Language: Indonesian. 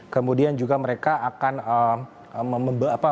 kemudian juga mereka akan membawa